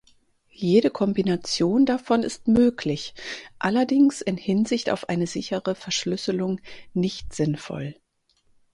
Jede Kombination davon ist möglich, allerdings in Hinsicht auf eine sichere Verschlüsselung nicht sinnvoll.